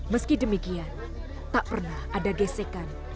meski demikian tak pernah ada gesekan